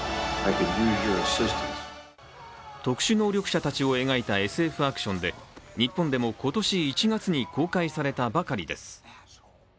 特殊能力者たちを描いたＳＦアクションで日本でも今年１月に公開されたばかりです。